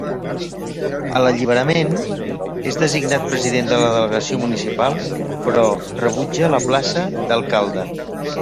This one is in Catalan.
A l'Alliberament, és designat president de la delegació municipal, però rebutja la plaça d'alcalde.